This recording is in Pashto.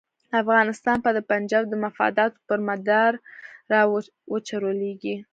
افغانستان به د پنجاب د مفاداتو پر مدار را وچورلېږي.